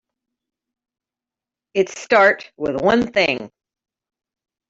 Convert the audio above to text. It start with one thing.